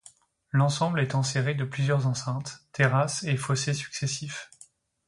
L'ensemble est enserré de plusieurs enceintes, terrasses et fossés successifs.